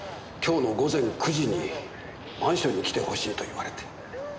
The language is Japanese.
今日の午前９時にマンションに来てほしい」と言われて。